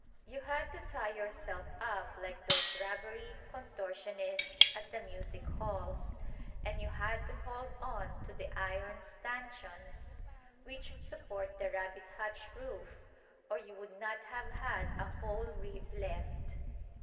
You had to tie yourself up like those rubbery contortionists at the music halls, and you had to hold on to the iron stanchions which support the rabbit hutch roof or you would not have had a whole rib left.